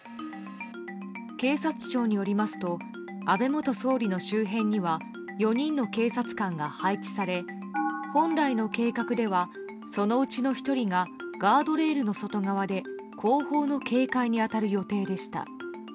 警察庁によりますと安倍元総理の周辺には４人の警察官が配置され本来の計画ではそのうちの１人がガードレールの外側で後方の警戒に当たる予定でした。